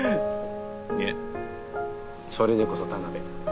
いやそれでこそ田辺。